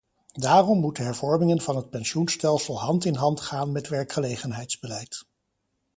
Daarom moeten hervormingen van het pensioenstelsel hand in hand gaan met werkgelegenheidsbeleid.